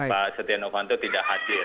pak setia novanto tidak hadir